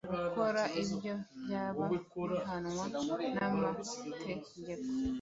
Gukora ibyo byaha bihanwa nama tegeko